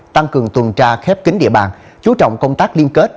tăng cường tuần tra khép kính địa bàn chú trọng công tác liên kết